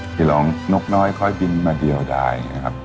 ที่ร้องนกน้อยค่อยบินมาเดียวได้